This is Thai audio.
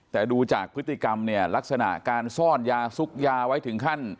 แต่ดูจากพฤติกรรมเนี่ยลักษณะการซ่อนยาซุกยาไว้ถึงขั้น